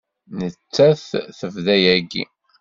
Nettat tebda yagi.